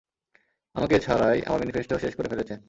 আমাকে ছাড়াই আমার ম্যানিফেস্টো শেষ করে ফেলেছেন।